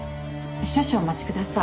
少々お待ちください。